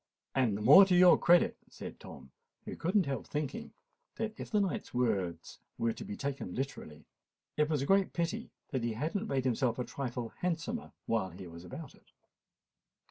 "And the more to your credit," said Tom, who could not help thinking that if the knight's words were to be taken literally, it was a great pity that he had not made himself a trifle handsomer while he was about it.